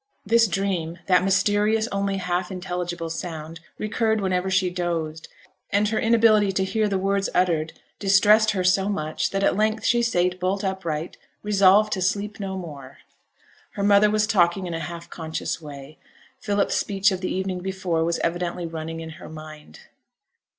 This dream, that mysterious, only half intelligible sound, recurred whenever she dozed, and her inability to hear the words uttered distressed her so much, that at length she sate bolt upright, resolved to sleep no more. Her mother was talking in a half conscious way; Philip's speech of the evening before was evidently running in her mind.